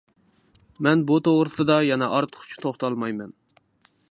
مەن بۇ توغرىسىدا يەنە ئارتۇقچە توختالمايمەن.